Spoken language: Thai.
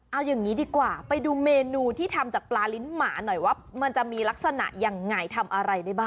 เอาอย่างนี้ดีกว่าไปดูเมนูที่ทำจากปลาลิ้นหมาหน่อยว่ามันจะมีลักษณะยังไงทำอะไรได้บ้าง